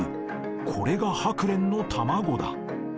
これがハクレンの卵だ。